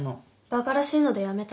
バカらしいのでやめた。